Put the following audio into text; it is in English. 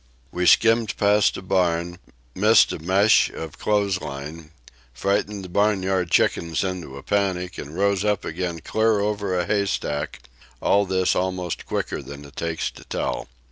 We skimmed past a barn, missed a mesh of clothesline, frightened the barnyard chickens into a panic, and rose up again clear over a haystack all this almost quicker than it takes to tell.